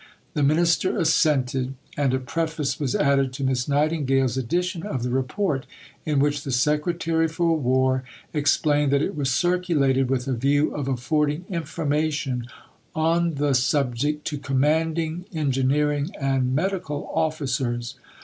The Minister assented, and a preface was added to Miss Nightingale's edition of the Report, in which the Secretary for War explained that it was circulated "with a view of affording information on the subject to Commanding, Engineering, and Medical Officers."